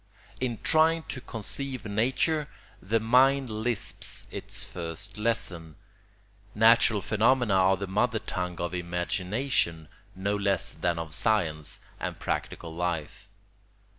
In trying to conceive nature the mind lisps its first lesson; natural phenomena are the mother tongue of imagination no less than of science and practical life.